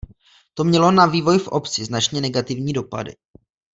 To mělo na vývoj v obci značně negativní dopady.